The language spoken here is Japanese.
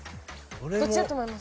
どっちだと思います？